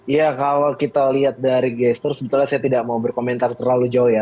ya kalau kita lihat dari gestur sebetulnya saya tidak mau berkomentar terlalu jauh ya